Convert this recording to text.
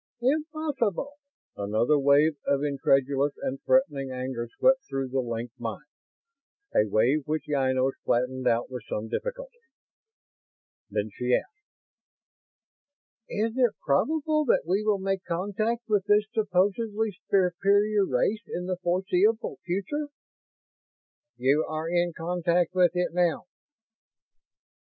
"Impossible!" Another wave of incredulous and threatening anger swept through the linked minds; a wave which Ynos flattened out with some difficulty. Then she asked: "Is it probable that we will make contact with this supposedly superior race in the foreseeable future?" "You are in contact with it now."